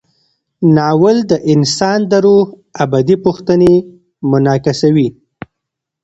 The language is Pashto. ناول د انسان د روح ابدي پوښتنې منعکسوي.